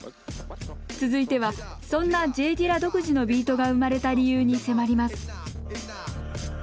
続いてはそんなＪ・ディラ独自のビートが生まれた理由に迫ります